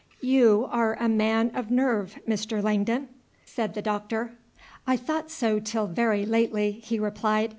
"You are a man of nerve, Mr. Langdon?" said the Doctor. "I thought so till very lately," he replied.